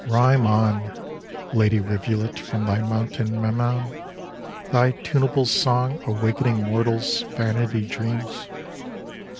Rhyme on, Lady Rivulet from thy mountain Memnon, thy tunable song awakening mortals' vanity dreams